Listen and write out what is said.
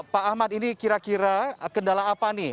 pak ahmad ini kira kira kendala apa nih